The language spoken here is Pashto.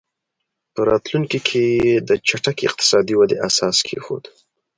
په راتلونکي کې یې د چټکې اقتصادي ودې اساس کېښود.